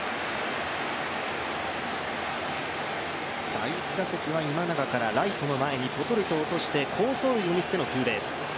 第１打席は今永からライトの前にぽとりと落として好走塁を見せてのツーベース。